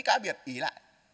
cả biệt ý lại